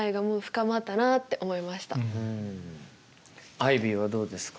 アイビーはどうですか？